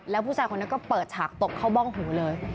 แล้วผู้ชายคนนั้นก็เปิดฉากตบเข้าบ้องหูเลย